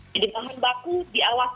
jadi bahan baku diawasi